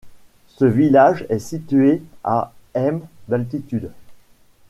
Ce village est situé à m d'altitude.